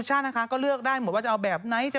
้าเพิ่มอย่างนะคะ